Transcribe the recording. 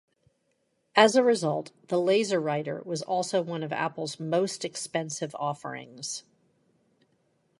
As a result, the LaserWriter was also one of Apple's most expensive offerings.